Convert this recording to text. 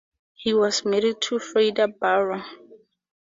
He was married to Frieda Brauer.